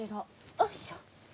よいしょ。